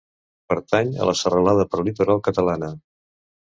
Pertany a la Serralada Prelitoral Catalana.